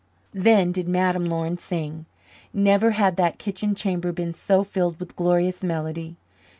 Then did Madame Laurin sing. Never had that kitchen chamber been so filled with glorious melody.